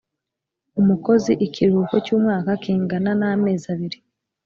umukozi ikiruhuko cy umwaka kingana namezi abiri